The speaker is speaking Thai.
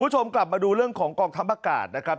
คุณผู้ชมกลับมาดูเรื่องของกองทัพอากาศนะครับ